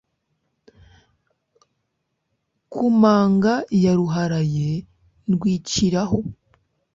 ku manga ya Ruharaye ndwiciraho